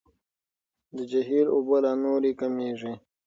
د جهیل اوبه لا نورې کمیږي.